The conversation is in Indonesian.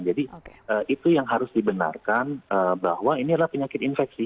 jadi itu yang harus dibenarkan bahwa ini adalah penyakit infeksi